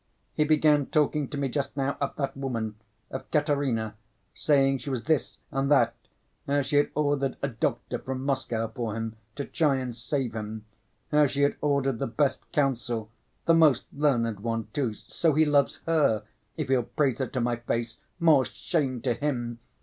He began talking to me just now of that woman, of Katerina, saying she was this and that, how she had ordered a doctor from Moscow for him, to try and save him; how she had ordered the best counsel, the most learned one, too. So he loves her, if he'll praise her to my face, more shame to him!